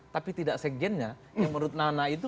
tapi tidak sekjennya yang menurut nana itu